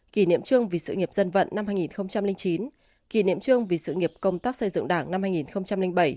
kỷ niệm trương vì sự nghiệp dân vận năm hai nghìn chín kỷ niệm trương vì sự nghiệp công tác xây dựng đảng năm hai nghìn bảy